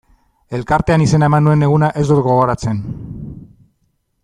Elkartean izena eman nuen eguna ez dut gogoratzen.